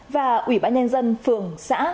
và ủy ban nhân dân phường xã